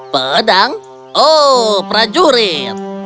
pedang oh prajurit